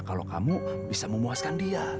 kalau kamu bisa memuaskan dia